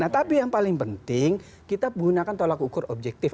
nah tapi yang paling penting kita gunakan tolak ukur objektif